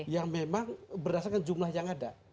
yang memang berdasarkan jumlah yang ada